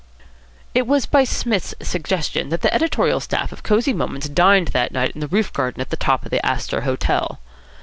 It was by Psmith's suggestion that the editorial staff of Cosy Moments dined that night in the roof garden at the top of the Astor Hotel.